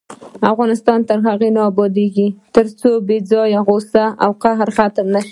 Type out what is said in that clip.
افغانستان تر هغو نه ابادیږي، ترڅو بې ځایه غوسه او قهر ختم نشي.